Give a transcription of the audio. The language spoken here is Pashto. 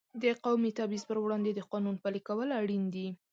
د قومي تبعیض پر وړاندې د قانون پلي کول اړین دي.